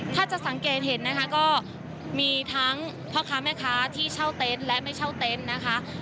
ถ้าจะสังเกตเห็นนะคะก็มีทั้งพ่อค้าแม่ค้าที่เช่าเต็นต์และไม่เช่าเต็นต์นะคะ